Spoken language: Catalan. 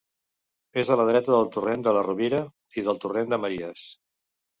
És a la dreta del torrent de la Rovira i del torrent de Maries.